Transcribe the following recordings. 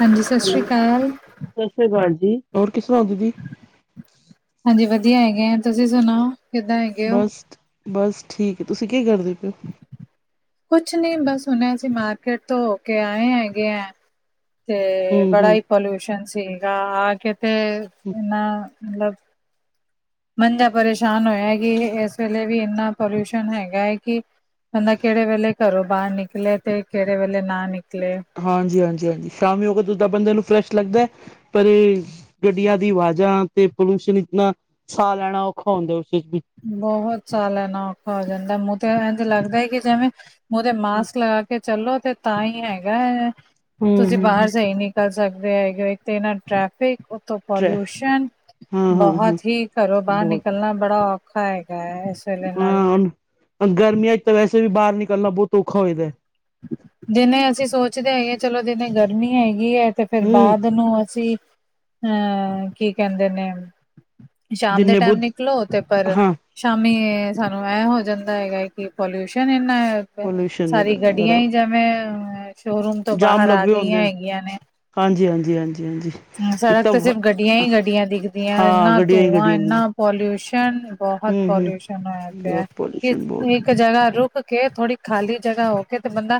ਹਾਂਜੀ ਸਤਿ ਸ਼੍ਰੀ ਅਕਾਲ ਸਤਿ ਸ੍ਰੀ ਅਕਾਲ ਜੀ ਹੋਰ ਕਿਸ ਤਰ੍ਹਾਂ ਹੋ ਦੀਦੀ? ਹਾਂਜੀ ਵਧੀਆ ਹੈਗੇ ਆ ਤੁਸੀਂ ਸੁਣਾਓ? ਕਿੱਦਾਂ ਹੈਗੇ ਹੋ ਬਸ, ਬਸ ਠੀਕ ਹੈ ਤੁਸੀਂ ਕੇ ਕਰਦੇ ਪਏ? ਕੁਛ ਨੀ ਬਸ ਹੁਣੇ ਅਸੀਂ ਮਾਰਕੀਟ ਤੋਂ ਹੋ ਕੇ ਆਏ ਹੈਗੇ ਹੈ। ਤੇ ਬੜਾ ਹੂੰ-ਹੂੰ। ਹੀ ਪੋਲਿਊਸ਼ਨ ਸੀਗਾ ਆ ਕੇ ਤੇ, ਇਨਾ ਮਤਲਬ ਮੰਜਾ ਪਰੇਸ਼ਾਨ ਹੋਇਆ ਕਿ ਇਸ ਵੇਲੇ ਵੀ ਇੰਨਾ ਪੋਲਿਊਸ਼ਨ ਹੈਗਾ ਹੈ ਕਿ ਬੰਦਾ ਕਿਹੜੇ ਵੇਲੇ ਘਰੋਂ ਬਾਹਰ ਨਿਕਲੇ ਤੇ ਕਿਹੜੇ ਵੇਲੇ ਨਾ ਨਿਕਲੇ। ਹਾਂਜੀ ਹਾਂਜੀ ਹਾਂਜੀ ਸ਼ਾਮੀ ਹੋ ਕੇ ਦਦਾ ਬੰਦੇ ਨੂੰ ਫਰੈਸ਼ ਲੱਗਦਾ। ਪਰ ਇਹ ਗੱਡੀਆਂ ਦੀ ਆਵਾਜ਼ਾਂ ਤੇ ਪੋਲਿਊਸ਼ਨ ਇਤਨਾ ਸਾਹ ਲੈਣਾ ਔਖਾ ਹੁੰਦਾ ਉਸ ਵਿੱਚ ਵੀ। ਬਹੁਤ ਸਾਹ ਲੈਣਾ ਔਖਾ ਹੋ ਜਾਂਦਾ ਮੂੰਹ ਤੇ ਇਝ ਲੱਗਦਾ ਕਿ ਜਿਵੇਂ ਮੂੰਹ ਤੇ ਮਾਸਕ ਲਗਾ ਕੇ ਚੱਲੋ ਤੇ ਤਾਂ ਹੀ ਹੈਗਾ ਹੈ, ਤੁਸੀਂ ਬਾਹਰ ਹੂੰ-ਹੂੰ। ਜਾ ਈ ਨੀ ਨਿਕਲ ਸਕਦੇ ਹੈਗੇ ਇੱਥੇ ਇਹਨਾਂ ਟ੍ਰੈਫਿਕ ਉੱਤੋਂ ਹਾਂ, ਪੋਲਿਊਸ਼ਨ, ਹਾਂ, ਹਾਂ ਬਹੁਤ ਹੀ ਘਰੋ ਬਾਹਰ ਬਹੁਤ ਨਿਕਲਣਾ ਬੜਾ ਔਖਾ ਹੈਗਾ ਹੈ। ਵੇਲੇ ਨਾਲ ਹਾਂ, ਆ ਗਰਮੀਆਂ ਚ ਤਾਂ ਵੈਸੇ ਵੀ ਬਾਹਰ ਨਿਕਲਣਾ ਬਹੁਤ ਔਖਾ ਹੋਈ ਦਾ। ਦਿਨੇ ਅਸੀਂ ਸੋਚਦੇ ਹੈਗੇ ਚਲੋ ਦਿਨੇ ਗਰਮੀ ਹੈਗੀ ਹੈ। ਤੇ ਫਿਰ ਹੂੰ, ਬਾਅਦ ਨੂੰ ਅਸੀਂ, ਅਹ ਕੀ ਕਹਿੰਦੇ ਨੇ। ਸ਼ਾਮ ਦੇ ਜਿੰਨੇ ਟਾਈਮ ਬਹੁਤ ਨਿਕਲੋ ਤੇ ਪਰ ਹਾਂ ਸ਼ਾਮੀ ਸਾਨੂੰ ਐ ਹੋ ਜਾਂਦਾ ਹੈਗਾ ਕਿ ਪੋਲਿਊਸ਼ਨ ਇੰਨਾ ਪਲਿਊਸ਼ਨ ਸਾਰੀ ਗੱਡੀਆਂ ਹੀ ਜਿਵੇਂ ਸ਼ੋ ਰੂਮ ਤੋਂ ਜਾਮ ਬਾਹਰ ਆ ਲੱਗੇ ਗਈਆਂ ਹੁੰਦੇ ਹੈਗੀਆਂ ਨੇ। ਹਾਂਜੀ ਹਾਂਜੀ ਹਾਂਜੀ ਹਾਂਜੀ। ਹੂੰ ਇੱਕ ਸੜਕ ਤਾਂ ਤੇ ਸਿਰਫ ਗੱਡੀਆਂ ਈ ਗੱਡੀਆਂ ਦਿਖਦੀਆਂ ਵਾ ਹਾਂ ਇੰਨਾ ਗੱਡੀਆਂ ਹੀ ਧੂੰਆਂ, ਗੱਡੀਆਂ ਨੇ ਇੰਨਾ ਪੋਲਿਊਸ਼ਨ। ਬਹੁਤ ਹੂੰ ਹੂੰ ਪੋਲਿਊਸ਼ਨ ਹੋਇਆ ਪਿਆ। ਬਹੁਤ ਪੋਲਿਊਸ਼ਨ ਬਹੁਤ [unintelligible] ਇੱਕ ਜਗ੍ਹਾ ਰੁਕ ਕੇ ਥੋੜ੍ਹੀ ਖਾਲੀ ਜਗ੍ਹਾ ਹੋ ਕੇ ਤੇ ਬੰਦਾ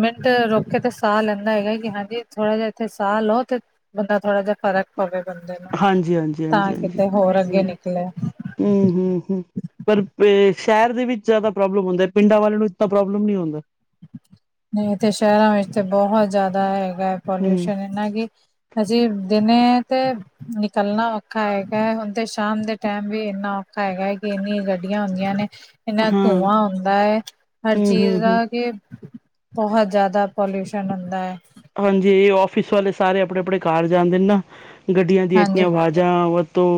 ਮਿੰਟ ਰੁਕ ਕੇ ਤੇ ਸਾਹ ਲੈਂਦਾ ਹੈਗਾ ਕਿ ਹਾਂਜੀ ਥੋੜਾ ਜਿਹਾ ਏਥੇ ਸਾਹ ਲਓ ਤੇ ਬੰਦਾ ਥੋੜ੍ਹਾ ਜਿਹਾ ਫ਼ਰਕ ਪਵੇ ਬੰਦੇ ਨੂੰ, ਹਾਂਜੀ ਹਾਂਜੀ ਹਾਂਜੀ ਤਾਂ ਹਾਂਜੀ ਕਿਤੇ ਹੋਰ ਅੱਗੇ ਨਿਕਲੇ। ਹੂੰ ਹੂੰ ਹੂੰ। ਪਰ ਸ਼ਹਿਰ ਦੇ ਵਿੱਚ ਜ਼ਿਆਦਾ ਪ੍ਰੋਬਲਮ ਹੁੰਦਾ ਪਿੰਡਾਂ ਵਾਲਿਆਂ ਨੂੰ ਇਤਨਾ ਪ੍ਰੋਬਲਮ ਨਹੀਂ ਹੁੰਦਾ। ਨਹੀਂ ਇੱਥੇ ਸ਼ਹਿਰਾਂ ਵਿੱਚ ਤੇ ਬਹੁਤ ਜ਼ਿਆਦਾ ਹੈਗਾ ਹੈ ਹੂੰ ਪੋਲਿਊਸ਼ਨ ਇਹਨਾ ਕਿ ਹਜੀ ਦਿਨੇ ਤੇ ਨਿਕਲਣਾ ਔਖਾ ਹੈਗਾ ਹੈ ਹੁਣ ਤੇ ਸ਼ਾਮ ਦੇ ਟਾਈਮ ਵੀ ਇੰਨਾ ਔਖਾ ਹੈਗਾ ਹੈ ਕਿ ਇੰਨੀਆਂ ਗੱਡੀਆਂ ਹੁੰਦੀਆਂ ਨੇ। ਇੰਨਾ ਹਾਂ ਧੂੰਆਂ ਹੁੰਦਾ ਹੈ, ਹਰ ਹੂੰ ਹੂੰ ਚੀਜ਼ ਹੂੰ ਦਾ ਕਿ ਬਹੁਤ ਜ਼ਿਆਦਾ ਪੋਲਿਊਸ਼ਨ ਹੁੰਦਾ ਹੈ। ਹਾਂਜੀ ਔਫਿਸ ਵਾਲੇ ਸਾਰੇ ਆਪਣੇ-ਆਪਣੇ ਘਰ ਜਾਂਦੇ ਨੇ ਨਾ ਗੱਡੀਆਂ ਦੀ ਇਤਨੀ ਹਾਂਜੀ ਆਵਾਜ਼ ਜਾਂ ਵ ਤੋਂ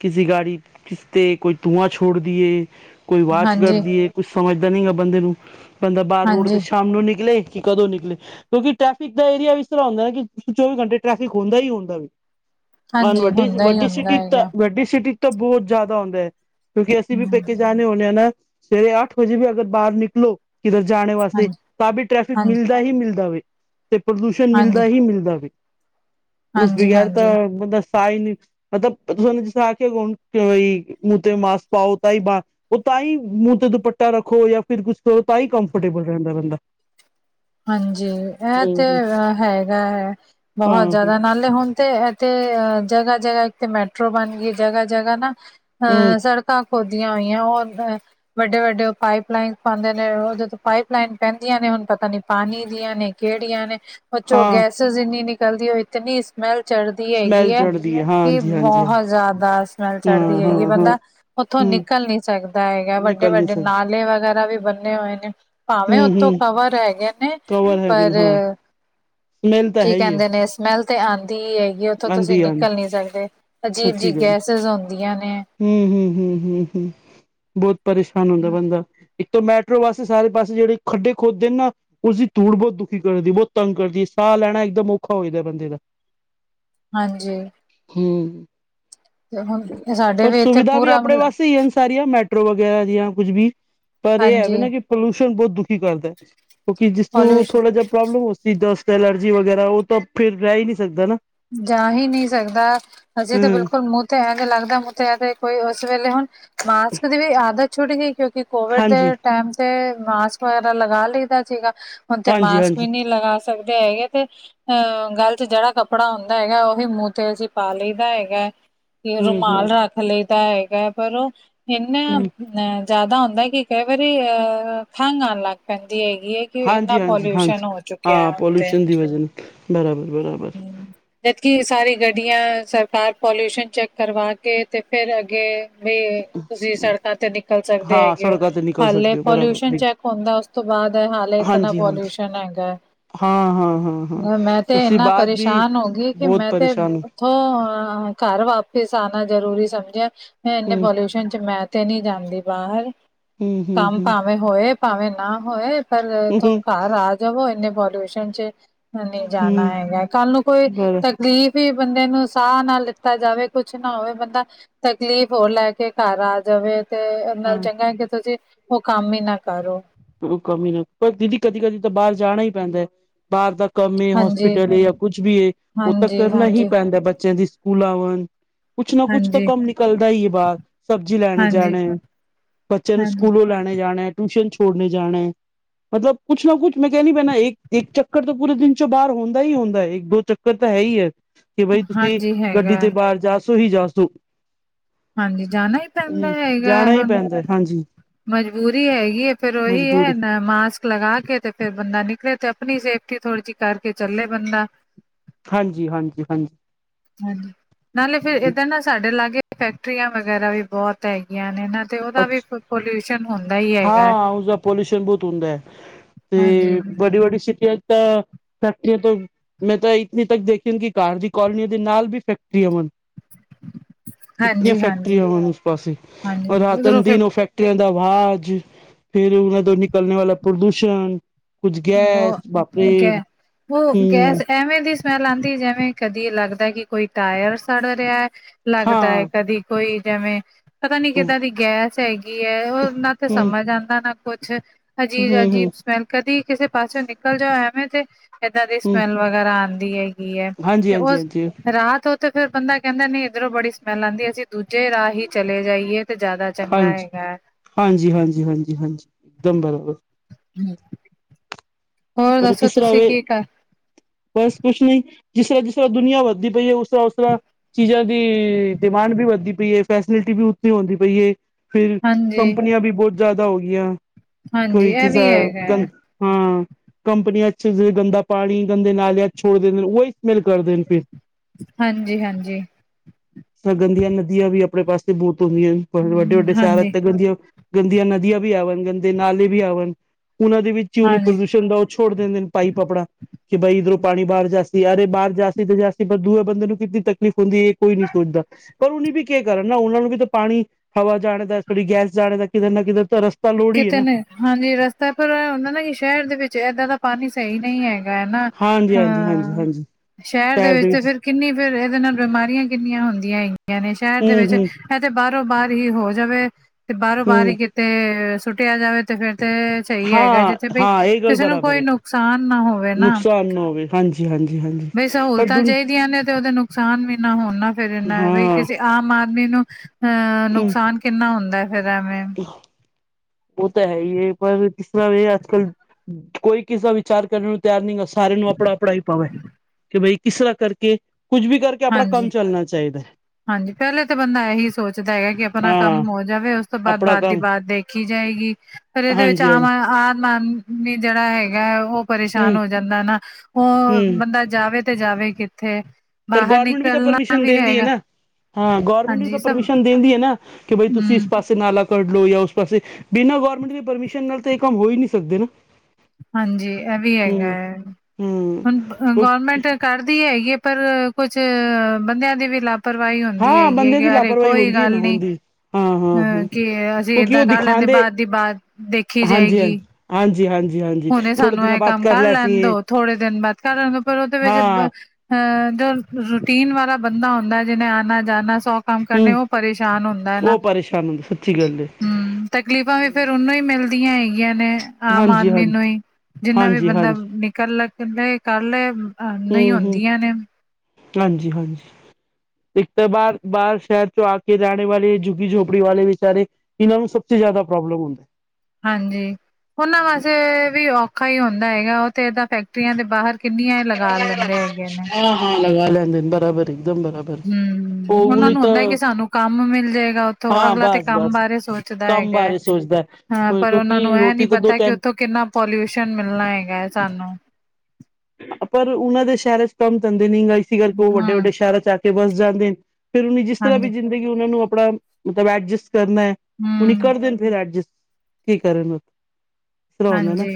ਕਿਸੀ ਗਾੜੀ ਕਿਸ ਤੇ ਕੋਈ ਧੂੰਆ ਛੋੜਦੀ ਏ। ਕੋਈ ਵਾਚ ਹਾਂਜੀ ਕਰਦੀ ਏ ਕੁਛ ਸਮਝਦਾ ਨੀ ਹੈਗਾ ਬੰਦੇ ਨੂੰ। ਬੰਦਾ ਬਾਰ ਰੋਡ ਤੇ ਹਾਂਜੀ ਸ਼ਾਮ ਨੂੰ ਨਿਕਲੇ ਕਿ ਕਦੋਂ ਨਿਕਲੇ, ਕਿਉਂਕਿ ਟੈਕਫਿ ਦਾ ਏਰੀਆ ਵੀ ਇਸ ਤਰ੍ਹਾਂ ਹੁੰਦਾ ਨਾ, ਕਿ ਚੌਵੀ ਘੰਟੇ ਟ੍ਰੈਫਿਕ ਹੋਂਦਾ ਈ ਹੋਂਦਾ ਵੇ। ਅ ਹੋਨ ਹਾਂਜੀ ਹੁੰਦਾ ਹੀ ਵੱਡੀ ਹੁੰਦਾ ਸਿਟੀ ਤਾਂ, ਹੈਗਾ ਵੱਡੀ ਸਿਟੀ ਤਾਂ ਬੋਤ ਜਾਦਾ ਹੋੰਦਾ ਐ। ਕਿਉਂਕਿ ਅਸੀਂ ਵੀ ਹਮ ਪੇਕੇ ਜਾਨੇ ਹੋਨੇ ਹਾਂ ਨਾ। ਸਵੇਰੇ ਅੱਠ ਵਜੇ ਵੀ ਅਗਰ ਬਾਰ ਨਿਕਲੋ, ਕਿਧਰ ਜਾਣੇ ਵਾਸਤੇ, ਹਾਂਜੀ ਤਾਂ ਵੀ ਟ੍ਰੈਫਿਕ ਹਾਂਜੀ ਮਿਲਦਾ ਹੀ ਮਿਲਦਾ ਵੇ। ਤੇ ਪ੍ਰਦੂਸ਼ਣ ਹਾਂਜੀ ਮਿਲਦਾ ਹੀ ਮਿਲਦਾ ਵੇ, ਉਸ ਹਾਂਜੀ ਬਗੈਰ ਹਾਂਜੀ ਤਾਂ ਬੰਦਾ ਸਾਹ ਈ ਨਿ ਮਤਲਬ ਤੁਸਾ ਨੇ ਜਿਸਰਾ ਆਖਿਆ, ਹੁਣ ਬਈ ਮੂੰਹ ਤੇ ਮਾਸਕ ਪਾਓ, ਤਾਂ ਹੀ ਬਾਹਰ ਓ ਤਾਂ ਈ ਮੂੰਹ ਤੇ ਦੁਪੱਟਾ ਰੱਖੋ, ਯਾ ਫਿਰ ਕੁਛ ਕਰੋ, ਤਾਂ ਹੀ ਕੰਫਰਟੇਬਲ ਰਹਿੰਦਾ ਬੰਦਾ। ਹਾਂਜੀ, ਏਹ ਤੇ ਹੈਗਾ ਹੈ, ਬੋਹਤ ਹਾਂ ਜ਼ਆਦਾ। ਨਾਲੇ ਹੁਣ ਤੇ ਏਥੇ ਅ ਜਗ੍ਹਾ ਜਗ੍ਹਾ ਇੱਕ ਤੇ ਮੈਟਰੋ ਬਣ ਗਈ, ਜਗ੍ਹਾ ਜਗ੍ਹਾ ਨਾ ਹਮ ਅ ਸੜਕਾਂ ਖੋਦੀਆਂ ਹੋਈਆਂ ਓ ਅ ਵੱਡੇ ਵੱਡੇ ਓ ਪਾਈਪ ਲਾਈਨ ਪਾਂਦੇ ਨੇ, ਓਦੇ ਤੇ ਪਾਈਪ ਲਾਈਨ ਪੈਂਦੀਆਂ ਨੇ, ਹੁਣ ਪਤਾ ਨੀ। ਪਾਣੀ ਦੀਆਂ ਨੇ, ਕੇਹੜੀਆਂ ਨੇ, ਓਹ ਚੋਂ ਹਾਂ ਗੈਸਿਸ ਇੰਨੀ ਨਿਕਲਦੀ ਓ ਇਤਨੀ ਸਮੈਲ ਚੜ੍ਹਦੀ ਹੈਗੀ ਸਮੈਲ ਐ, ਚੜ੍ਹਦੀ ਹੈ ਕਿ ਹਾਂਜੀ ਹਾਂਜੀ ਹਾਂ ਬੋਹਤ ਜ਼ਆਦਾ ਸਮੈਲ ਚੜ੍ਹਦੀ ਹਾਂ ਹੈਗੀ, ਹਾਂ ਬੰਦਾ ਔਥੋਂ ਹਮ ਨਿਕਲ ਨੀ ਸਕਦਾ ਹੈਗਾ, ਵੱਡੇ ਨਿਕਲ ਨੀ ਵੱਡੇ ਸਕ ਨਾਲੇ ਵਗੈਰਾ ਵੀ ਬ ਨੇ ਹੋਏ ਨੇ, ਹੂੰ ਭਾਵੇਂ ਉਤੋਂ ਹੂੰ ਕਵਰ ਹੈਗੇ। ਨੇ ਕਵਰ ਹੈਗੇ ਨੇ, ਪਰ ਹਾਂ ਸਮੈਲ ਤਾਂ ਕੀ ਹੈ ਈ ਏ। ਕਹਿੰਦੇ ਨੇ ਸਮੈਲ ਤੇ ਆਂਦੀ ਈ ਏ। ਵੀ ਔਥੋਂ ਤੁਸੀਂ ਆਂਦੀ ਆਂਦੀ ਨਿਕਲ ਨੀ ਸਕਦੇ, ਅਜੀਬ ਸੱਚੀ ਜਿਹੀ ਗੱਲ ਗੈਸਿਸ ਹੁੰਦੀਆਂ ਨੇ। ਹੂੰ ਹੂੰ ਹੂੰ ਹੂੰ ਹੂੰ ਬੋਤ ਪਰੇਸ਼ਾਨ ਹੁੰਦਾ ਬੰਦਾ। ਇੱਕ ਤੋ ਮੈਟਰੋ ਵਾਸਤੇ ਸਾਰੇ ਪਾਸੇ ਜੇਹੜੇ ਖੱਡੇ ਖੋਦ ਦੇ ਨਾ। ਓਸਦੀ ਧੂੜ ਬੋਤ ਦੁਖੀ ਕਰਦੀ ਏ, ਬੋਤ ਤੰਗ ਕਰਦੀ ਏ, ਸਾਹ ਲੈਣਾ ਇੱਕਦਮ ਔਖਾ ਹੋ ਜਾਂਦਾ ਬੰਦੇ ਦਾ। ਹਾਂਜੀ। ਹੂੰ, ਤੇ ਹੁਣ ਸਾਡੇ ਪਰ ਵੀ ਇੱਥੇ ਸੁਵਿਧਾ ਵੀ ਪੂਰਾ ਆਪਣੇ ਮਤਲਬ ਵਾਸਤੇ ਈ ਐਨ ਸਾਰੀਆਂ ਮੈਟ ਮੈਂਟਰੋਂ ਵਗੈਰਾ ਦਿਆਂ, ਜਾਂ ਕੁਛ ਵੀ ਪਰ ਏ ਹੈ ਵੇ ਹਾਂਜੀ ਨਾ ਕਿ ਪੋਲਿਊਸ਼ਨ ਬੋਤ ਦੁਖੀ ਕਰਦਾ ਐ, ਕਿਉਂਕਿ ਜਿਸਨੂੰ ਪੋਲਿਊਸ਼ਨ ਥੋੜ੍ਹਾ ਜਾ ਪ੍ਰੋਬਲਮ ਹੋਸੀ ਡਸਟ ਐਲਰਜੀ ਵਗੈਰਾ, ਓ ਤਾਂ ਫਿਰ ਰਹਿ ਈ ਨੀ ਸਕਦਾ ਨਾ। ਜਾ ਹੀ ਨੀ ਸਕਦਾ, ਅਸੀ ਤੇ ਹੂੰ ਬਿਲਕੁਲ ਮੁਤ ਐਂਜ ਲੱਗਦਾ ਮੁਹ ਤੇ ਐ ਵੇ ਕੋਈ ਓਸ ਵੇਲੇ ਹੁਣ, ਮਾਸਕ ਦੀ ਵੀ ਆਦਤ ਛੁਟ ਗੀ ਕਿਉਂਕਿ ਕਿ ਕੋਵਿਡ ਦੇ ਹਾਂਜੀ ਟਾਈਮ ਤੇ, ਮਾਸਕ ਵਗੈਰਾ ਲਗਾ ਲਈ ਦਾ ਸੀਗਾ। ਹੁਣ ਤੇ ਹਾਂਜੀ ਮਾਸਕ ਹਾਂਜੀ ਵੀ ਨੀ ਲਗਾ ਸਕਦੇ ਹੈਗੇ, ਤੇ ਅਹ ਗੱਲ ਚ ਜੜਾ ਕ ਕੱਪੜਾ ਹੁੰਦਾ ਹੈਗਾ, ਓਹੀ ਮੂੰਹ ਤੇ ਜੀ ਪਾ ਲਈਦਾ ਹੈਗਾ ਤੇ ਹੂੰ ਹੂੰ ਰੁਮਾਲ ਰੱਖ ਲੇਈ ਦਾ ਹੈਗਾ, ਪਰ ਓ ਏਨਾਂ ਹੂੰ ਅ ਜ਼ਆਦਾ ਹੁੰਦਾ ਕਿ ਕਈ ਵਾਰੀ, ਅ ਖੰਘ ਆਣ ਲੱਗ ਪੈਂਦੀ ਹੈਗੀ ਏ। ਹਾਂਜੀ ਹਾਂਜੀ ਹਾਂਜੀ, ਹਾਂ ਤੇ ਪੋਲਿਊਸ਼ਨ ਦੀ ਵਜ੍ਹਾ ਨਾਲ, ਬਰਾਬਰ ਬਰਾਬਰ। ਜਦਕਿ ਸਾਰੀ ਗੱਡੀਆਂ, ਸਰਕਾਰ ਪੋਲਿਊਸ਼ਨ ਚੈੱਕ ਕਰਵਾ ਕੇ ਤੇ ਫਿਰ ਅੱਗੇ। ਵੀ ਤੁਸੀਂ ਸੜਕਾਂ ਤੇ ਨਿਕਲ ਸਕਦੇ ਹਾਂ ਹੈਗੇ ਹੋ, ਸੜਕਾਂ ਤੇ ਨਿਕਲ ਹਾਲੇ ਸਕਦੇ ਹੋ ਬਰਾਬਰ ਪੋਲਿਊਸ਼ਨ ਚੈੱਕ। ਹੁੰਦਾ, ਉਸ ਤੋਂ ਬਾਅਦ ਐ ਹਾਲ ਹੈ, ਇਤਨਾ ਹਾਂਜੀ ਹਾਂਜੀ ਪੋਲਿਊਸ਼ਨ ਹੈਗਾ। ਹਾਂ ਹਾਂ ਹਾਂ ਹਾਂ ਮੈਂ ਤੇ ਤੁਸੀਂ ਇੰਨਾ ਬਾਅਦ। ਵੀ ਪਰੇਸ਼ਾਨ ਹੋ ਗੀ, ਕਿ ਬਹੁਤ ਮੈਂ ਤੇ ਪਰੇਸ਼ਾਨ ਥੋਂ ਅ ਘਰ ਵਾਪਿਸ ਆਣਾ ਜਰੂਰੀ ਸਮਝਿਆ, ਮੈਂ ਇਨੇ ਹੂੰ ਪੋਲਿਊਸ਼ ਨ ਚ ਮੈਂ ਤੇ ਨੀ ਜਾਂਦੀ ਬਾਹਰ, ਹੂੰ ਹੂੰ ਕੰਮ ਹੂੰ ਭਾਵੇਂ ਹੋਏ, ਭਾਵੇਂ ਨਾ ਹੋਏ। ਪਰ ਹੂੰ ਏਥੋ ਹੂੰ ਘਰ ਆ ਜਾਵੋ, ਇੰਨੇ ਪੋਲਿਊਸ਼ਨ ਚ ਨਈ ਜਾਣਾ ਹੂੰ ਹੈਗਾ। ਕੱਲ ਨੂੰ ਕੋਈ ਬ ਤਕਲੀਫ਼ ਹੀ, ਬੰਦੇ ਨੂੰ ਸਾਹ ਨਾ ਲਿਤਾ ਜਾਵੇ, ਕੁਛ ਨਾ ਹੋਵੇ ਬੰਦਾ ਤਕਲੀਫ਼ ਹੋਰ ਲੈ ਕੇ ਘਰ ਆ ਜਾਵੇ। ਤੇ ਔਦੇ ਨਾਲੋ ਹਾਂ ਚੰਗਾ ਹੈ, ਕਿ ਤੁਸੀਂ ਉਹ ਕੰਮ ਹੀ ਨਾ ਕਰੋ। ਉਹ ਕਮ ਈ ਨਾ, ਪਰ ਦੀਦੀ ਕਦੀ-ਕਦੀ ਤਾਂ ਬਾਹਰ ਜਾਣਾ ਹੀ ਪੈਂਦਾ। ਬਾਹਰ ਦਾ ਕੰਮ ਏ, ਹਾਂਜੀ ਹੋਸਪੀਟਲ ਜਾਂ ਕੁੱਝ ਵੀ ਏ, ਉਹ ਤਾਂ ਹਾਂਜੀ ਕਰਨਾ ਹੀ ਹਾਂਜੀ ਪੈਂਦਾ ਬੱਚਿਆਂ ਦੀ। ਸਕੂਲ ਆਵਨ, ਕੁਛ ਨਾ ਕੁਛ ਤਾਂ ਹਾਂਜੀ ਕੰਮ ਨਿਕਲਦਾ ਹੀ ਹੈ ਬਾਹਰ, ਸਬਜ਼ੀ ਲੈਣੇ ਹਾਂਜੀ ਜਾਣੇ ਬੱਚਿਆਂ ਨੂੰ ਹਾਂਜੀ ਸਕੂਲੋਂ ਲੈਣੇ ਜਾਣਾ, ਟਿਊਸ਼ਨ ਛੋੜਣੇ ਜਾਣਾ। ਮਤਲਬ ਕੁੱਛ ਨਾ ਕੁਛ। ਮੈਂ ਕਹਿਣੀ ਪੈਣਾ ਇੱਕ ਚੱਕਰ ਤਾਂ ਪੂਰੇ ਦਿਨ ਚੋਂ ਬਾਹਰ ਹੁੰਦਾ ਹੀ ਹੁੰਦਾ ਹੈ। ਇੱਕ ਦੋ ਚੱਕਰ ਦਿੱਕ ਤਾਂ ਹੈ ਹੀ ਹੈ। ਕਿ ਬਈ ਤੁਸੀਂ ਹਾਂਜੀ ਗੱਡੀ ਹੈਗਾ ਤੇ ਬਾਹਰ ਜਾ ਸੋ ਹੀ ਜਾਸੋ। ਹਾਂਜੀ ਜਾਣਾ ਹੀ ਪੈਂਦਾ ਹਮ ਜਾਣਾ ਹੀ ਪੈਂਦਾ ਹਾਂਜੀ। ਮਜ਼ਬੂਰੀ ਹੈਗੀ ਹੈ। ਫਿਰ ਉਹੀ ਹੈ ਮਜਬੂਰੀ ਨਾ ਮਾਸਕ। ਲਗਾ ਕੇ ਤੇ। ਫਿਰ ਬੰਦਾ ਨਿਕਲੇ ਤੇ ਆਪਣੀ ਸੇਫਟੀ ਥੋੜ੍ਹੀ ਜਿਹੀ ਕਰਕੇ ਚੱਲੇ ਬੰਦਾ। ਹਾਂਜੀ-ਹਾਂਜੀ-ਹਾਂਜੀ। ਹਾਂਜੀ। ਨਾਲੇ ਫਿਰ ਇੱਧਰ ਨਾ। ਸਾਡੇ ਲਾਗੇ ਫੈਕਟਰੀਆਂ ਵਗੈਰਾ ਵੀ ਬਹੁਤ ਹੈਗੀਆਂ ਨੇ ਨਾਂ। ਤੇ ਉਹਦਾ ਵੀ ਅੱਛ ਪੋਲਿਊਸ਼ਨ ਹੁੰਦਾ ਹੀ ਹੈਗਾ। ਪੈਲਿਊਸ਼ਨ ਬਹੁਤ ਹੁੰਦਾ ਹੈ। ਹਾਂਜੀ। ਤੇ ਵੱਡੀ ਵੱਡੀ ਸਿਟੀਆਂ ਤਾਂ ਫੈਕਟਰੀਆਂ ਤੋਂ। ਮੈਂ ਤਾਂ ਇਤਨੀ ਤੱਕ ਦੇਖੀ ਕਿ ਕਾਰ ਦੀ ਕੋਲਨੀ ਦੇ ਨਾਲ ਵੀ ਫੈਕਟਰੀਆਂ ਵੇ। ਕਿਤਨੀਆਂ ਹਾਂਜੀ-ਹਾਂਜੀ, ਹਾਂਜੀ ਫੈਕਟਰੀਆਂ ਹਨਣ। ਉਸ ਪਾਸੇ ਹਾਂਜੀ, ਰਾਤ ਅਨ ਉਧਰੋਂ ਫਿਰ ਦਿਨ ਉਹ ਫੈਕਟਰੀਆਂ ਦਾ ਵਾਜ। ਫਿਰ ਉਹਨਾਂ ਤੋਂ ਨਿਕਲਣੇ ਵਾਲਾ ਪ੍ਰਦੂਸ਼ਣ। ਕੁਝ ਗਿਆ ਬਹੁ ਬਾਪਰੇ ਗੈ ਉਹ ਹਮ। ਗੈਸ ਐਵੇਂ ਦੀ। ਸਮੈਲ ਆਉਂਦੀ। ਜਿਵੇਂ ਕਦੀ ਲੱਗਦਾ ਕਿ ਕੋਈ ਟਾਇਰ ਸੜ ਰਿਹਾ ਲੱਗਦਾ ਹੈ। ਹਾਂ ਕਦੀ ਕੋਈ ਜਿਵੇਂ ਪਤਾ ਨੀ ਹਮ ਕਿੱਦਾਂ ਦੀ ਗੈਸ ਹੈਗੀ ਐ। ਉਹ ਨਾ ਤੇ ਹਮ ਸਮਝ ਆਂਦਾ ਨਾ। ਕੁਛ ਅਜੀਬ - ਹਮ ਅਜੀਬ ਸਮੈਲ ਕਦੀ ਕਿਸੇ ਪਾਸੇ ਓ ਨਿਕਲ ਜਾਓ ਐਵੇਂ ਤੇ। ਇਦਾਂ ਦੀ ਹਮ ਸਮੈਲ ਵਗੈਰਾ ਆਉਂਦੀ ਹੈਗੀ ਹੈ। ਹਾਂਜੀ ਤੇ ਹਾਂਜੀ ਉਸ ਹਾਂਜੀ ਰਾਹ ਤੋਂ ਤੇ ਫੇਰ ਬੰਦਾ ਕਹਿੰਦਾ ਨਹੀਂ ਇਧਰੋਂ ਬੜੀ ਸਮੈਲ ਆਉਂਦੀ। ਅਸੀਂ ਦੂਜੇ ਰਾਹ ਹੀ ਚਲੇਂ ਜਾਈਏ। ਤੇ ਜ਼ਿਆਦਾ ਚੰਗਾ ਹੈਗਾ ਐਂ। ਹਾਂਜੀ-ਹਾਂਜੀ-ਹਾਂਜੀ-ਹਾਂਜੀ ਇਕਦਮ ਬਰਾਬਰ। ਹਮ। [unintelligible] ਪਰ ਕਿਸ ਰਾ ਵੀ। ਬਸ ਕੁੱਛ ਨਹੀਂ ਜਿਸਰ੍ਹਾਂ ਜਿਸ ਤਰ੍ਹਾਂ ਦੁਨੀਆਂ ਵੱਧਦੀ ਪਈ ਹੈ। ਉਸਰ੍ਹਾ - ਉਸਰ੍ਹਾ। ਚੀਜ਼ਾਂ ਦੀ ਡਿਮਾਂਡ ਵੀ ਵੱਧਦੀ ਪਈ ਏ ਫੈਸਿਲਿਟੀ ਵੀ ਉੱਤੇ ਹੁੰਦੀ ਪਈ ਹੈ। ਫਿਰ ਹਾਂਜੀ-ਹਾਂਜੀ ਕੰਪਨੀਆਂ ਵੀ ਬਹੁਤ ਜ਼ਿਆਦਾ ਹੋ ਗਈਆਂ। ਕੋਈ ਇਹ ਕਿਸ ਵੀ ਹੈਗਾ ਐ। ਹਾਂ ਕੰਪਨੀਆਂ ਅੱਛ ਗੰਦਾ ਪਾਣੀ ਗੰਦੇ ਨਾਲੇਆਂ ਛੋੜ ਦਿੰਦੇ। ਉਹੀ ਮਿਲ ਕਰਦੇ ਨੇ। ਫਿਰ ਹਾਂਜੀ-ਹਾਂਜੀ, ਸਗਨ ਦੀਆਂ ਨਦੀਆਂ ਵੀ ਆਪਣੇ ਪਾਸੇ ਬਹੁਤ ਹੁੰਦੀਆਂ ਨੇ। ਵੱਡੇ ਹੂੰ, ਵੱਡੇ ਸ਼ਹਿਰ ਹਾਂਜੀ-ਹਾਂਜੀ। ਤਗਨ ਦੀਆਂ। ਗੰਦੀਆਂ ਨਦੀਆਂ ਵੀ ਆਵਣ ਗੰਦੇ ਨਾਲੇ ਵੀ ਆਵਣ। ਉਹਨਾਂ ਦੇ ਵਿੱਚ ਹੂਨੀ ਪ੍ਰਦੂਸ਼ਣ ਬਹੁਤ। ਛੋੜ ਦਿੰਦੇ ਨੇ ਪਾਈਪ ਆਪਣਾ। ਕਿ ਬਈ ਇੱਧਰੋਂ ਪਾਣੀ ਬਾਹਰ ਜਾਸੀ ਯਰੇ ਬਾਹਰ ਜਾਸੀ ਤੇ ਜਾਸੀ ਪਰ ਦੂਏ ਬੰਦੇ ਨੂੰ ਕਿੰਨੀ ਤਕਲੀਫ਼ ਹੁੰਦੀ ਇਹ ਕੋਈ ਨੀ ਸੋਚਦਾ। ਪਰ ਉਹਨ ਵੀ ਕੀ ਕਰਨ ਨਾ ਉਹਨਾਂ ਨੂੰ ਵੀ ਤਾਂ ਪਾਣੀ ਹਵਾ ਜਾਣੇ ਦਾ। ਇਸ ਵਾਰੀ ਗੈਸ ਜਾਣੇ ਦਾ ਕਿਧਰ ਨਾ ਕਿਧਰ ਤਾਂ ਰਸ। ਕਿਤੇ ਨੇ ਹਾਂਜੀ ਰਸਤਾ ਪਰ ਹੁੰਦਾ ਨਾ। ਕਿ ਸ਼ਹਿਰ ਦੇ ਵਿੱਚ ਇਏਦਾਂ ਦਾ ਪਾਣੀ ਸਹੀ ਨਹੀਂ ਹੈਗਾ। ਮੈਂ ਨਾ ਹਾਂਜੀ ਹਾਂਜੀ ਹਾਂਜੀ ਹਾਂ। ਹਾਂਜੀ ਸ਼ਹਿਰ ਦੇ ਵਿੱਚ ਤੇ ਫਿਰ ਕਿੰਨੀ ਫਿਰ ਇਹਦੇ ਨਾਲ ਬਿਮਾਰੀਆਂ ਕਿੰਨੀਆਂ ਹੁੰਦੀਆਂ ਹੈਗੀਆਂ ਨੇ। ਸ਼ਹਿਰ ਦੇ ਹੂੰ ਵਿੱਚ ਹੂੰ ਇਹ ਤੇ ਬਾਹਾਰੋਂ ਬਾਰ ਹੀ ਹੋ ਜਾਵੇ ਤੇ ਬਾਹਰੋਂ ਬਾਰ ਹੂੰ ਹੀ ਕਿਤੇ ਸੁੱਟਿਆ ਜਾਵੇ ਤੇ ਫਿਰ ਤੇ ਸਹੀ ਹੈਗਾ। ਹਾਂ ਜਿੱਥੇ ਬਈ ਹਾਂ ਇਹ ਗੱਲ ਕਿਸੇ ਨੂੰ ਕੋਈ ਨੁਕਸਾਨ ਨਾ ਹੋਵੇ ਨਾਂ। ਨਾਂ ਹੋਵੇ ਹਾਂਜੀ-ਹਾਂਜੀ-ਹਾਂਜੀ। ਬਈ ਸਹੂਲਤਾਂ ਚਾਹੀਦੀਆਂ ਨੇ। ਤੇ ਉਹਦੇ ਨੁਕਸਾਨ ਵੀ ਨਾ ਹੋਣ ਨਾ। ਫਿਰ ਜਾਂਦਾ ਹੈ ਬਈ ਹਾਂ ਕਿਸੇ ਆਮ ਆਦਮੀ ਨੂੰ। ਹਮ ਹੂੰ ਨੁਕਸਾਨ ਕਿੰਨਾ ਹੁੰਦਾ। ਫਿਰ ਐਵੇਂ। ਉਹ ਤਾਂ ਹੈ ਈ ਏ। ਪਰ ਜਿਸ ਤਰ੍ਹਾਂ ਵੀ ਅੱਜ-ਕੱਲ। ਕੋਈ ਕਿਸੇ ਦਾ ਵਿਚਾਰ ਕਰਨ ਨੂੰ ਤਿਆਰ ਨਹੀਂ ਗਾ। ਸਾਰਿਆਂ ਨੂੰ ਆਪਣਾ - ਆਪਣਾ ਹੀ ਪਾਵੇ। ਕਿ ਬਈ ਕਿਸ ਤਰ੍ਹਾਂ ਕਰਕੇ ਕੁੱਝ ਵੀ ਕਰਕੇ ਆਪਣਾ ਕੰਮ ਹਾਂਜੀ ਚੱਲਣਾ ਚਾਹੀਦਾ। ਹਾਂਜੀ। ਪਹਿਲੇ ਤਾਂ ਬੰਦਾ ਇਹੀ ਸੋਚਦਾ ਹੈਗਾ ਕਿ। ਆਪਣਾ ਹਾਂ ਕੰਮ ਹੋ ਜਾਵੇ। ਉਸ ਤੋਂ ਬਾਅਦ ਆਪਣਾ ਬਾਦ ਦੀ ਕੰਮ ਬਾਤ ਦੇਖੀ ਜਾਏਗੀ। ਫਿਰ ਇਹਦੇ ਵਿੱਚ ਹਾਂਜੀ ਆਮ ਹਾਂਜੀ ਆਦਮੀ। ਵੀ ਜਿਹੜਾ ਹੈਗਾ ਉਹ ਪਰੇਸ਼ਾਨ ਹੂੰ ਹੋ ਜਾਂਦਾ ਨਾ। ਉਹ ਹੂੰ ਬੰਦਾ ਜਾਵੇ ਜਾਵੇ ਕਿੱਥੇ? ਪਰ ਬਾਹਰ ਗੌਰਮੈਂਟ ਵੀ ਤਾਂ ਨਿਕਲਣਾ ਪਰਮਿਸ਼ਨ ਵੀ ਦਿੰਦੀ ਹੈ ਹੈਗਾ ਨਾ, ਹਾਂ ਗੌਰਮੈਂਟ ਵੀ ਹਾਂਜੀ ਤਾਂ ਸਭ ਪਰਮਿਸ਼ਨ ਦਿੰਦੀ ਹੈ ਨਾ, ਕਿ ਬਈ ਤੁਸੀਂ ਇਸ ਹਮ ਪਾਸੇ ਪਾ ਨਾਲਾ ਕੱਢ ਲੋ, ਜਾਂ ਉਸ ਪਾਸੇ ਬਿਨਾਂ ਗੌਰਰਮੈਂਟ ਦੇ ਪਰਮਿਸ਼ਨ ਨਾਲ ਇਹ ਕੰਮ ਹੋ ਹੀ ਨਹੀਂ ਸਕਦੇ ਨਾ। ਹਾਂਜੀ ਇਹ ਵੀ ਹੈਗਾ, ਹੂੰ ਹੂੰ ਹੁਣ ਗੌਰਮੈਂਟ ਕਰਦੀ ਹੈਗੀ ਐ, ਪਰ ਕੁਛ ਬੰਦਿਆਂ ਦੀ ਵੀ ਲਾਭ ਲਾਪਰਵਾਹੀ ਹੁੰਦੀ ਹਾਂ ਹੈਗੀ ਬੰਦੇ ਦੀ ਹੈ, ਅਰੇ ਲਾਪਰਵਾਹੀ ਕੋਈ ਹੁੰਦੀ ਹੈ ਨਾ ਗੱਲ ਨੀ ਹੁੰਦੀ ਹਾਂ ਹਾਂ ਹਾਂ ਅਮ ਕਿ ਅਸੀਂ ਕਿਉਂਕਿ ਏਦਾਂ ਉਹ ਕਰ ਲੈਂਦੇ ਦਿਖਾਂਦੇ ਬਾਅਦ ਦੀ ਬਾਤ ਦੇਖੀ ਹਾਂਜੀ ਜਾਏਗੀ। ਹਾਂਜੀ ਹਾਂਜੀ ਹਾਂਜੀ ਹਾਂਜੀ ਹੁਣੇ ਥੋੜੇ ਸਾਨੂੰ ਦਿਨਾਂ ਇਹ ਬਾਅਦ ਕੰਮ ਕਰ ਲੈ ਸੀ ਲੈਣ ਦੋ ਥੋੜੇ ਦਿਨ ਬਾਅਦ ਕਰ ਲੈਣ ਦ ਪਰ ਉਹਦੇ ਵਿੱਚ ਹਾਂ ਅਹ ਜੋ ਰੂਟੀਨ ਵਾਲਾ ਬੰਦਾ ਹੁੰਦਾ, ਜਿਹਨੇ ਆਉਣਾ ਜਾਣਾ ਸੌਖ ਕੰਮ ਕਰਨੇ ਹੂੰ ਉਹ ਪਰੇਸ਼ਾਨ ਹੁੰਦਾ ਹਨਾ ਉਹ ਪਰੇਸ਼ਾਨ ਹੁੰਦਾ ਸੱਚੀ ਗੱਲ ਹੈ ਹੂੰ, ਤਕਲੀਫ਼ਾਂ ਵੀ ਫੇਰ ਉਹਨੂੰ ਹੀ ਮਿਲਦੀਆਂ ਹੈਗੀਆਂ ਨੇ, ਆਮ ਹਾਂਜੀ ਆਦਮੀ ਹਾਂਜੀ ਨੂੰ ਹੀ ਜਿੰਨਾ ਵੀ ਹਾਂਜੀ ਬੰਦਾ ਹਾਂਜੀ ਨਿਕਲ ਕੱਲ ਨਹੀਂ ਹੁੰਦੀਆਂ ਨੇ, ਹਾਂਜੀ-ਹਾਂਜੀ। ਇੱਕ ਤਾਂ ਬਾਹਰ-ਬਾਹਰ ਸ਼ਹਿਰ ਚੋਂ ਆ ਕੇ ਰਹਿਣੇ ਵਾਲੇ ਝੁਗੀ ਝੋਪੜੀ ਵਾਲੇ ਵਿਚਾਰੇ ਇਹਨਾਂ ਨੂੰ ਸਭ ਤੋਂ ਜ਼ਿਆਦਾ ਪ੍ਰੋਬਲਮ ਹੁੰਦਾ ਹੈ। ਹਾਂਜੀ, ਉਹਨਾਂ ਵਾਸਤੇ ਵੀ ਔਖਾ ਹੀ ਹੁੰਦਾ ਹੈਗਾ, ਉਹ ਤੇ ਇਹਦਾ ਫੈਕ ਟਰੀਆਂ ਦੇ ਬਾਹਰ ਕਿੰਨੀਆਂ ਲਗਾ ਲੈਂਦੇ ਹੈਗੇ ਨੇ, ਹਾ ਲਗਾ ਲੈਦੇ ਨੇ ਬਰਾਬਰ ਏਕਦਮ ਬਰਾਬਰ ਉਹ ਹੂੰ ਉਹਨਾਂ ਉਹਨੀ ਨੂੰ ਤਾਂ ਹੁੰਦਾ ਕਿ ਸਾਨੂੰ ਕੰਮ ਮਿਲ ਜਾਏਗਾ, ਉੱਥੋਂ ਹਾਂ ਅਗਲਾ ਤੇ ਬਸ ਕੰਮ ਬਸ ਬਾਰੇ ਸੋਚ ਦਾ ਕੰਮ ਹੈਗਾ ਹੈ, ਬਾਰੇ ਸੋਚਦਾ ਹਾਂ ਪਰ ਉਹਨਾਂ ਕਿਉਂਕਿ ਨੂੰ ਇਹ ਰੋਟੀ ਨੀ ਤਾਂ ਦੋ ਪਤਾ ਕਿ ਟਾਈਮ ਉੱਥੋਂ ਕਿੰਨਾ ਪੋਲਿਊਸ਼ਨ ਮਿਲਣਾ ਹੈਗਾ ਹੈ, ਸਾਨੂੰ ਪਰ ਉਹਨਾਂ ਦੇ ਸ਼ਹਿਰਾਂ ਚ ਕੰਮ ਧੰਦੇ ਨਹੀਂ ਗਈ ਸੀ, ਕਰਕੇ ਉਹ ਹੂੰ, ਵੱਡੇ-ਵੱਡੇ ਸ਼ਹਿਰਾਂ ਚ ਆ ਕੇ ਬਸ ਜਾਂਦੇ ਨੇ, ਫਿਰ ਉਹੇ ਜਿਸ ਤਰ੍ਹਾਂ ਹਾਂਜੀ, ਵੀ ਜ਼ਿੰਦਗੀ ਉਹਨਾਂ ਨੂੰ ਆਪਣਾ ਮਤਲਬ ਐਡਜਸਟ ਕਰਨਾ ਹੈ। ਉਨੀ ਹੂੰ। ਕਰ ਦੇਣ ਫੇਰ ਐਡਜਸਟ ਕੀ ਕਰਨੇ ਹਾਂਜੀ,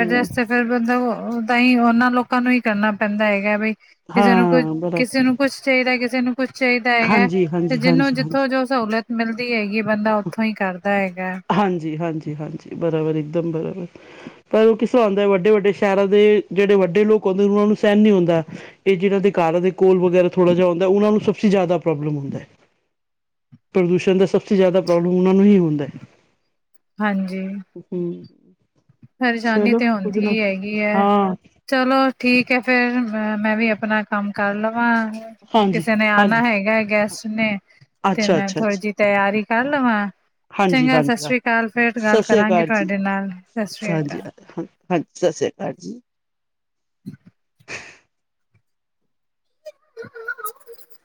ਐਡਰਸ ਫੇਰ ਮਤਲਬ ਹੀ ਉਹਨਾਂ ਲੋਕਾਂ ਨੂੰ ਹੀ ਕਰਨਾ ਪੈਂਦਾ ਹੈਗਾ, ਬ ਕਿਸੇ ਨੂੰ ਕੋਈ ਹਾਂ ਬਰਾਬਰ ਕਿਸੇ ਨੂੰ ਕੁੱਛ ਚਾਹੀਦਾ ਕਿਸੇ ਨੂੰ ਕੁਛ ਚਾਹੀਦਾ ਹੈਗਾ, ਹਾਂਜੀ ਤੇ ਹਾਂਜੀ ਜਿਹਨੂੰ ਹਾਂਜੀ ਜਿੱਥੋਂ ਹਾਂਜੀ ਜੋ ਸਹੂਲਤ ਮਿਲਦੀ ਹੈਗੀ ਬੰਦਾ ਉੱਥੋਂ ਹੀ ਕਰਦਾ। ਤਾਂ ਹੈਗਾ, ਹਾਂਜੀ-ਹਾਂਜੀ-ਹਾਂਜੀ, ਬਰਾਬਰ ਇੱਕਦਮ ਬਰਾਬਰ, ਪਰ ਉਹ ਕਿਥੋਂ ਆਉਂਦਾ ਵੱਡੇ-ਵੱਡੇ ਸ਼ਹਿਰਾਂ ਦੇ ਜਿਹੜੇ ਵੱਡੇ ਲੋਕ ਆਦੇ ਉਹਨਾਂ ਨੂੰ ਸਹਿਣ ਨਹੀਂ ਹੁੰਦਾ। ਇਹ ਜਿਹੜੇ ਉਦੇ ਘਰ ਦੇ ਕੋਲ ਵਗੈਰਾ ਥੋੜ੍ਹਾ ਜਿਹਾ ਹੁੰਦਾ, ਉਹਨਾਂ ਨੂੰ ਸਭ ਜ਼ਿਆਦਾ ਪ੍ਰੋਬਲਮ ਹੁੰਦਾ ਹੈ, ਪ੍ਰਦੂਸ਼ਣ ਦਾ ਸਭ ਜ਼ਿਆਦਾ ਪ੍ਰੋਬਲਮ ਉਹਨਾ ਨੂੰ ਹੀ ਹੁੰਦਾ ਹੈ। ਹਾਂਜੀ, ਹੂੰ, ਪਰੇਸ਼ਾਨੀ ਚਲੋ ਤੇ ਕੁਝ ਹੁੰਦੀ ਨਾ ਹੀ ਹੈਗੀ ਹੈ। ਹਾਂ, ਚਲੋ ਠੀਕ ਹੈ ਫੇਰ ਅ ਮੈਂ ਵੀ ਆਪਣਾ ਕੰਮ ਕਰ ਲਵਾਂ। ਹਾਂਜੀ, ਕਿਸੇ ਨੇ ਆਉਣਾ ਹਾਂਜੀ, ਹੈਗਾ ਹੈ ਗੈਸਟ ਨੇ, ਤੇ ਅੱਛਾ, ਮੈਂ ਅੱਛਾ, ਅੱਛਾ, ਥੋੜ੍ਹੀ ਜਿਹੀ ਤਿਆਰੀ ਕਰ ਲਵਾਂ। ਹਾਂਜੀ, ਚੰਗਾ ਸਤਿ ਹਾਂਜੀ, ਹਾਂ। ਸ੍ਰੀ ਅਕਾਲ, ਫੇਰ ਗੱਲ ਸਤਿ ਸ੍ਰੀ ਕਰਾਂਗੇ ਅਕਾਲ ਜੀ, ਤੁਹਾਡੇ ਨਾਲ, ਸ੍ਰੀ ਅਕਾਲ ਹਾਂਜੀ, ਹਾਂ ਸਤਿ ਸ੍ਰੀ ਅਕਾਲ ਜੀ। [inaudible] [unintelligible]